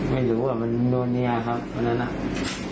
ไม่รู้ว่ามันโน้นนิยาครับวันนั้น